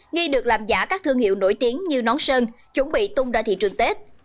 nghi được làm giả các thương hiệu nổi tiếng như nón sơn chuẩn bị tung ra thị trường tết